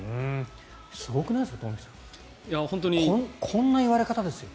すごくないですかトンフィさんこんな言われ方ですよ。